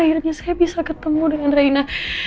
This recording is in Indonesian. akhirnya saya bisa ketemu dengan raina